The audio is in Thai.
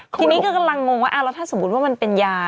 ทีนี้ก็กำลังงงว่าแล้วถ้าสมมุติว่ามันเป็นยา